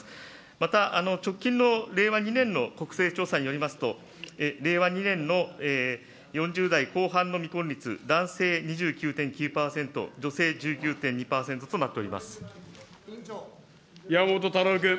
また直近の令和２年の国勢調査によりますと、令和２年の４０代後半の未婚率男性２９．９％、山本太郎君。